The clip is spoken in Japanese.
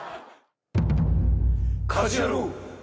『家事ヤロウ！！！』。